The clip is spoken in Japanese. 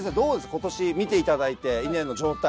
今年見ていただいて稲の状態。